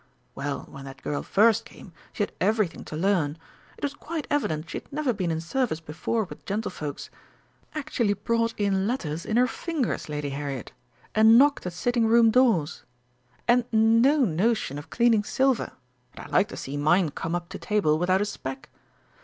Well, when that girl first came, she had everything to learn. It was quite evident she'd never been in service before with gentlefolks. Actually brought in letters in her fingers, Lady Harriet, and knocked at sitting room doors! And no notion of cleaning silver, and I like to see mine come up to table without a speck!